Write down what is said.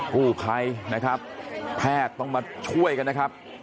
กู้ภัยนะครับแพทย์ต้องมาช่วยกันนะครับ